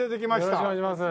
よろしくお願いします。